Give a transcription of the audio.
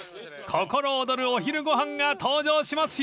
心躍るお昼ご飯が登場しますよ］